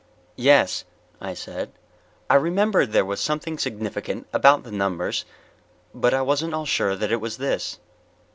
"Yes," I said. I remembered there was something significant about the numbers, but I wasn't at all sure that it was this.